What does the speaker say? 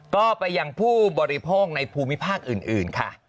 ก็ไปยังผู้บริโภคในภูมิภาคอื่นค่ะ